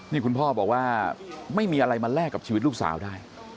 นี่คุณพ่อบอกว่าไม่มีอะไรมาแลกกับชีวิตลูกสาวได้